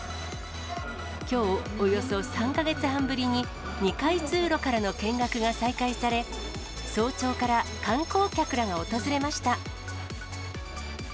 きょう、およそ３か月半ぶりに、２階通路からの見学が再開され、早朝から観光客らが訪れました。